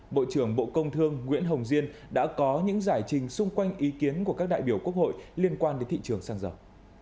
bộ trưởng bộ công thương nguyễn hồng diên đã có những giải trình xung quanh ý kiến của các đại biểu quốc hội liên quan đến thị trường xăng dầu